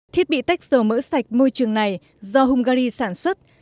thiết bị tách dầu mỡ sạch môi trường này do hungary sản xuất